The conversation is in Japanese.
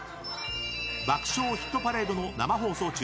「爆笑ヒットパレード」の生放送中